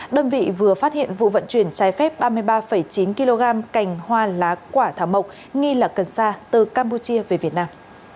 đơn vị vừa phát hiện vụ vận chuyển trái phép ba mươi ba chín kg cành hoa lá quả thảo mộc nghi là cần sa từ campuchia về việt nam